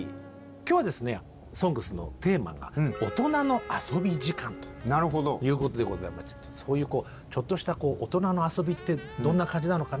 今日はですね「ＳＯＮＧＳ」のテーマが「オトナの遊び時間」ということでございましてちょっとしたオトナの遊びってどんな感じなのかな。